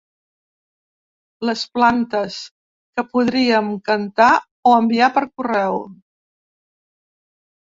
Les plantes que podríem cantar o enviar per correu.